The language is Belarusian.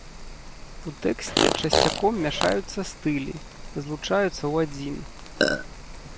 У тэксце часцяком мяшаюцца стылі, злучаючыся ў адзін.